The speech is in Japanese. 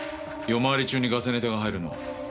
夜回り中にガセネタが入るのは。